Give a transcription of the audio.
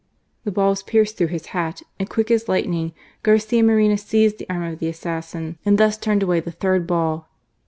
The balls pierced through his hat, and quick as lightning, Garcia Moreno seized the arm of the assassin, and thus turned away the third ball.